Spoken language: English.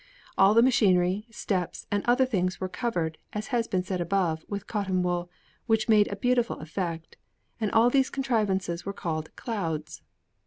All the machinery, steps, and other things were covered, as has been said above, with cotton wool, which made a beautiful effect; and all these contrivances were called Clouds.